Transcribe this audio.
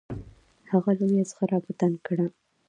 هغه لویه زغره په تن کړه.